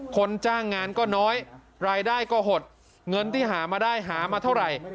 คนจ้างงานก็น้อยรายได้ก็หดเงินที่หามาได้หามาเท่าไหร่